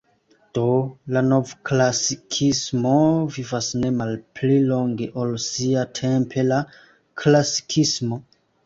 Do, la novklasikismo vivas ne malpli longe ol siatempe la klasikismo.